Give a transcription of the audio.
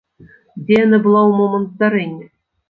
Дзе яна была ў момант здарэння?